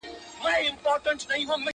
اوس مي هم ښه په ياد دي زوړ نه يمه،